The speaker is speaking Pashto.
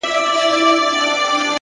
مثبت فکر د ذهن رڼا زیاتوي!